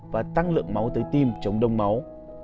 và tăng lượng máu tới tim chống đông máu